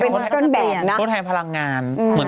เป็นต้นแบบการแพลนพลังงาน